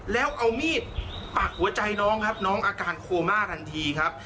แล้วเอามีดปักหัวใจน้องครับน้องอาการโคม่าทันทีครับ